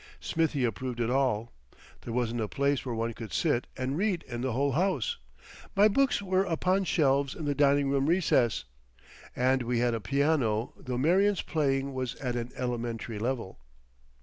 Smithie approved it all. There wasn't a place where one could sit and read in the whole house. My books went upon shelves in the dining room recess. And we had a piano though Marion's playing was at an elementary level.